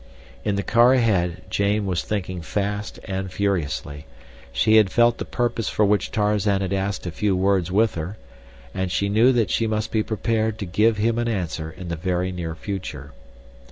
In the car ahead, Jane was thinking fast and furiously. She had felt the purpose for which Tarzan had asked a few words with her, and she knew that she must be prepared to give him an answer in the very near future.